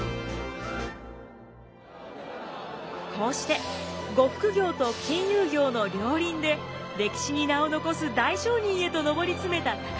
こうして呉服業と金融業の両輪で歴史に名を残す大商人へと上り詰めた高利。